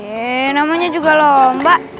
eh namanya juga lomba